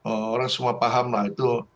orang semua paham itu